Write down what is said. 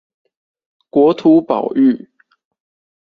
國土保育